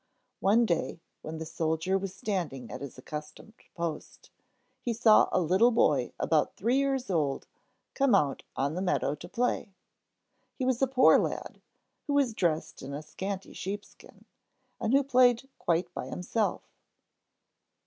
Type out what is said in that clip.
One day when the soldier was standing at his accustomed post, he saw a little boy about three years old come out on the meadow to play. He was a poor lad, who was dressed in a scanty sheepskin, and who played quite by himself.